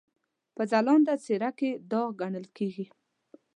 په ځلانده څېره کې داغ ګڼل کېږي.